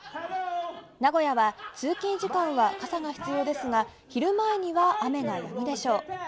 名古屋は通勤時間は傘が必要ですが昼前には雨がやむでしょう。